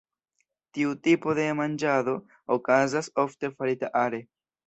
Tiu tipo de manĝado okazas ofte farita are.